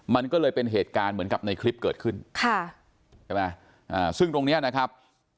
มันก็เลยเป็นเหตุการณ์เหมือนกับในคลิปเกิดขึ้นค่ะใช่ไหมอ่าซึ่งตรงเนี้ยนะครับ